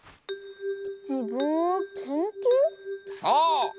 そう！